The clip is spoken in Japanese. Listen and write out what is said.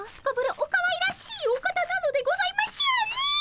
おかわいらしいお方なのでございましょうねえ！